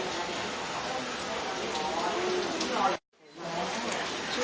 สวัสดีครับสวัสดีครับ